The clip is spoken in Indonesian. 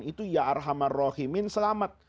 itu ya'arrahmarrohinin selamat